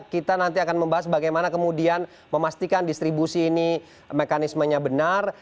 kita nanti akan membahas bagaimana kemudian memastikan distribusi ini mekanismenya benar